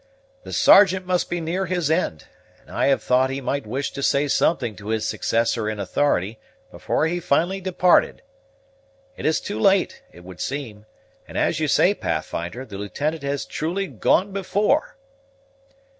"The Sergeant must be near his end, and I have thought he might wish to say something to his successor in authority before he finally departed. It is too late, it would seem; and, as you say, Pathfinder, the Lieutenant has truly gone before."